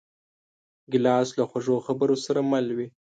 ګیلاس له خوږو خبرو سره مل وي.